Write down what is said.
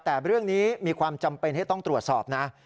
แต่เรื่องนี้มีความจำเป็นที่ต้องตรวจสอบนะ